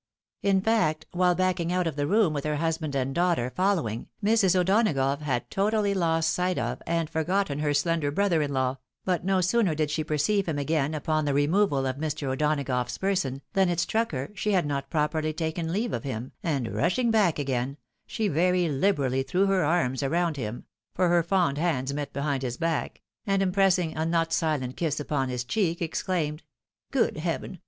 In fact, while backing out of the room with her hiisband and daughter following, Mrs. O'Donagough had totally lost sight of and forgotten her slender brother in law ; but no sooner did she perceive him again upon the removal of Mr. O'Donagough's person, than it struck her she had not properly taken leave of him, and rushing back again, she very liberally threw her arms around him .— ^for her fond hands met behind Ins back — and im pressing a not silent kiss upon his cheek, exclaimed, " Good heaven